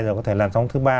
rồi có thể làn sóng thứ ba